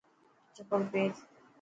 چپل پير.